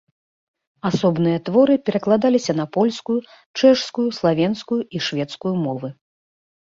Асобныя творы перакладаліся на польскую, чэшскую, славенскую і шведскую мовы.